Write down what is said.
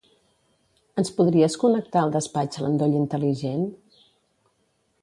Ens podries connectar al despatx l'endoll intel·ligent?